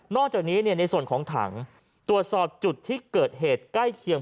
จากนี้ในส่วนของถังตรวจสอบจุดที่เกิดเหตุใกล้เคียง